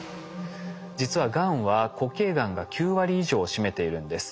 実はがんは固形がんが９割以上を占めているんです。